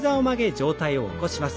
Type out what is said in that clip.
上体を起こします。